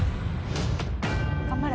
頑張れ。